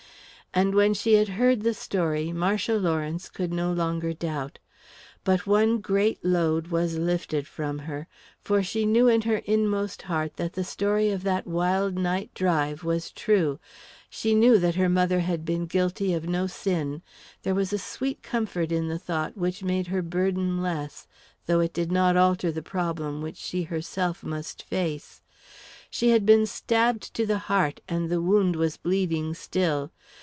And when she had heard the story, Marcia Lawrence could no longer doubt. But one great load was lifted from her, for she knew in her inmost heart that the story of that wild night drive was true she knew that her mother had been guilty of no sin. There was a sweet comfort in the thought which made her burden less, though it did not alter the problem which she herself must face. She had been stabbed to the heart, and the wound was bleeding still.